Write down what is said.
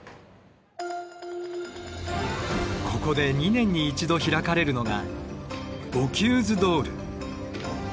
ここで２年に１度開かれるのがボキューズ・ドール。